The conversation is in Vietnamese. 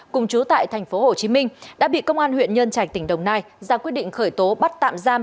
cùng chú tại tp hcm đã bị công an huyện nhân trạch tỉnh đồng nai ra quyết định khởi tố bắt tạm giam